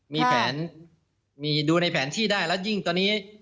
มีแผนมีดูในแผนที่ได้แล้วยิ่งตอนนี้